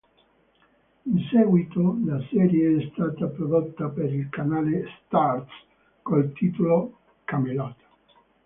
In seguito la serie è stata prodotta per il canale Starz col titolo "Camelot".